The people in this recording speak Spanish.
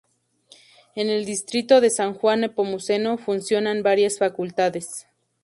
En el distrito de San Juan Nepomuceno funcionan varias facultades.